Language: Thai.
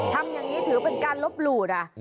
ทำอย่างนี้ถือการลบหลู่นะ